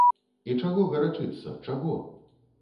І чаго гарачыцца, чаго?